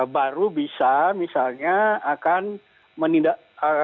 baru bisa misalnya akan menindak